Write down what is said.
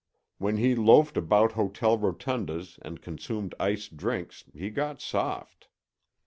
When he loafed about hotel rotundas and consumed iced drinks he got soft.